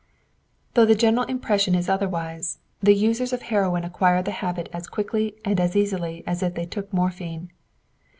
Though the general impression is otherwise, the users of heroin acquire the habit as quickly and as easily as if they took morphine.